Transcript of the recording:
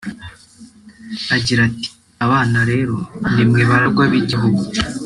Agira ati “Abana rero ni mwe baragwa b’igihugu